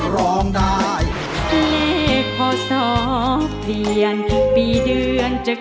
ร้องได้ร้องได้